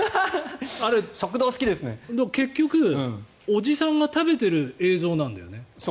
あれ、結局、おじさんが食べている映像なんだよね。